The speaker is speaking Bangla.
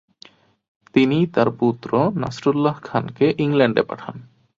তিনি তার পুত্র নাসরুল্লাহ খানকে ইংল্যান্ডে পাঠান।